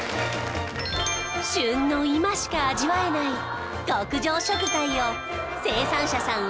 旬の今しか味わえない極上食材を生産者さん